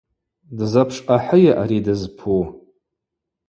Дзапшахӏыйа ари дызпу?